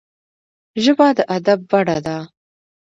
ژبه د ادب بڼه ده